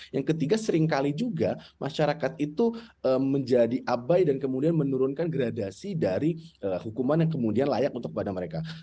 yang ketiga seringkali juga masyarakat itu menjadi abai dan kemudian menurunkan gradasi dari hukuman yang kemudian layak untuk pada mereka